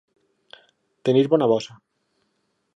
Tenir bona bossa.